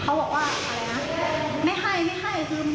คือว่าเขาพูดอย่างงี้เลยหรอใช่ค่ะใช่แล้วก็แล้วก็พอช่างเขาพูดเป็นภาษา